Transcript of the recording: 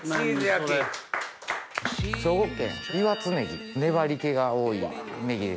兵庫県岩津ねぎ粘り気が多いねぎです。